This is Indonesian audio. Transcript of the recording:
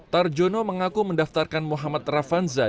tarjono mengaku mendaftarkan muhammad ravanza